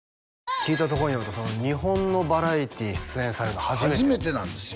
聞いたところによると日本のバラエティーに出演されるの初めて初めてなんですよ